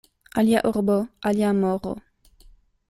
Alia urbo, alia moro.